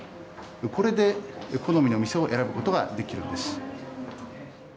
これで好みのお店を選ぶことができるんです。